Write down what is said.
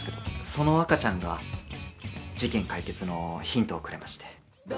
その赤ちゃんが事件解決のヒントをくれまして。